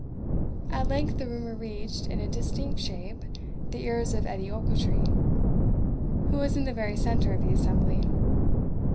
At length the rumour reached, in a distinct shape, the ears of Edie Ochiltree, who was in the very centre of the assembly.